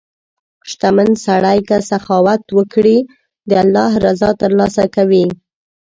• شتمن سړی که سخاوت وکړي، د الله رضا ترلاسه کوي.